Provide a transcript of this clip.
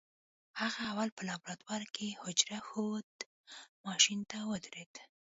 هغه اول په لابراتوار کې حجره ښود ماشين ته ودرېد.